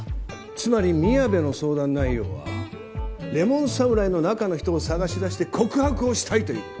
つまり宮部の相談内容はレモン侍の中の人を探し出して告白をしたいということか？